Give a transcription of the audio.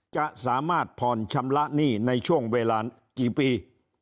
จะสามารถผ่อนชำระหนี้ในช่วงเวลากี่ปี